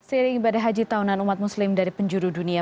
seiring ibadah haji tahunan umat muslim dari penjuru dunia